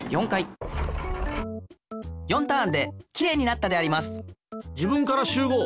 ４ターンできれいになったであります。